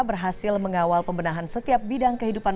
berhasil mengawal pembentahan masyarakat setiap bidang masyarakat ini